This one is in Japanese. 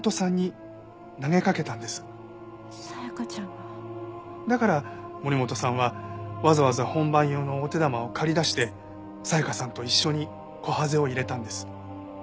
紗香ちゃんが？だから森本さんはわざわざ本番用のお手玉を借り出して紗香さんと一緒にコハゼを入れたんです。